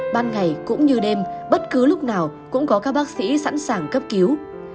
ban ngày cũng như đêm bất cứ lúc nào cũng có các bác sĩ sẵn sàng cấp cứu